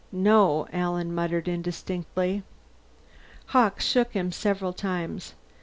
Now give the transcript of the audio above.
"No," Alan muttered indistinctly. Hawkes shook him several times.